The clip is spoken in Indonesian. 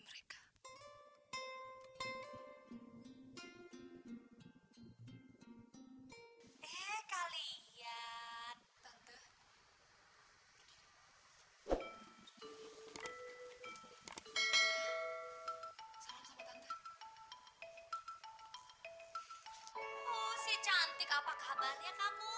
baik baik aja ya